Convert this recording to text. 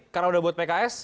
kalau sudah buat pks